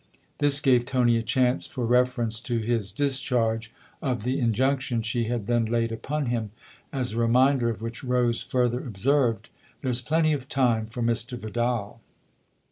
This gave Tony a chance for reference to his discharge of the injunction she had then laid upon him ; as a reminder of which Rose further observed :" There's plenty of time for Mr. Vidal."